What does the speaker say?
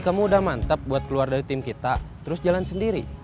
kamu udah mantap buat keluar dari tim kita terus jalan sendiri